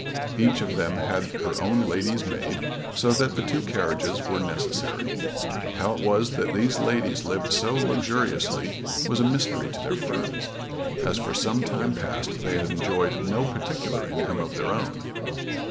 Each of them had her own lady's maid, so that the two carriages were necessary. How it was that these ladies lived so luxuriously was a mystery to their friends, as for some time past they had enjoyed no particular income of their own.